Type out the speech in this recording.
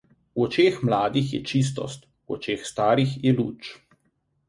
V očeh mladih je čistost, v očeh starih je luč.